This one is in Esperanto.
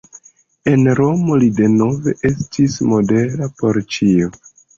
En Romo li denove estis modela por ĉiuj.